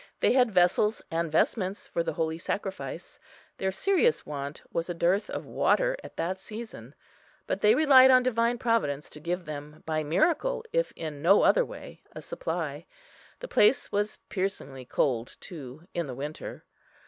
They had vessels and vestments for the Holy Sacrifice. Their serious want was a dearth of water at that season, but they relied on Divine Providence to give them by miracle, if in no other way, a supply. The place was piercingly cold too in the winter.